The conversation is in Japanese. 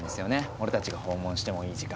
俺たちが訪問してもいい時間。